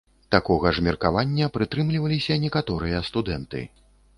Такога ж меркавання прытрымліваліся некаторыя студэнты.